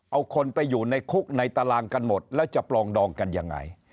เอาคนไปอยู่ในคุกในตารางกันหมดแล้วจะปลองดองกันยังไง